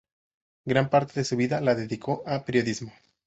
Gran parte de su vida la dedicó a periodismo.